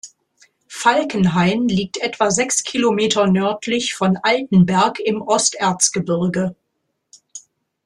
Falkenhain liegt etwa sechs Kilometer nördlich von Altenberg im Osterzgebirge.